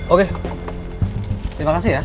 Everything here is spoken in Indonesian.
oke terima kasih ya